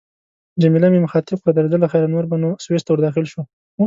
جميله مې مخاطب کړ: درځه له خیره، نور به نو سویس ته ورداخل شو.